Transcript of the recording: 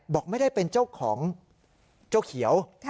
บอกไม่ได้เป็นเจ้าของเจ้าเขียว